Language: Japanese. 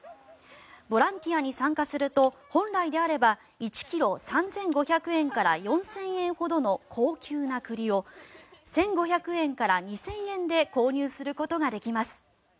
ボランティアに参加すると本来であれば１ｋｇ３５００円から４０００円ほどの高級な栗を１５００円から２０００円で購入することができます。